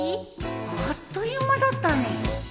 あっという間だったね。